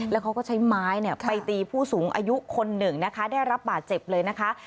แล้วเขาก็ใช้ไม้ไปตีผู้สูงอายุคนหนึ่งนะคะได้รับบาดเจ็บเลยนะคะ